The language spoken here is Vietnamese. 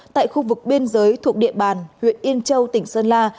tại khu vực biên giới thuộc địa bàn huyện yên châu tỉnh sơn la